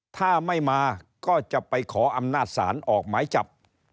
ถ้าไม่มาก็จะไปขออำนาจศาลออกหมายจับ